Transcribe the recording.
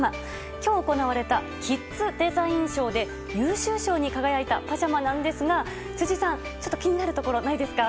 今日行われたキッズデザイン賞で優秀賞に輝いたパジャマですが辻さん、ちょっと気になるところないですか？